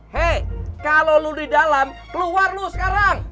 hei kalau lu di dalam keluar lu sekarang